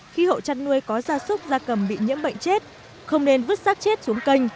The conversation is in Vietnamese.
khi hộ chăn nuôi có gia súc gia cầm bị nhiễm bệnh chết không nên vứt sát chết xuống kênh